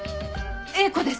英子です。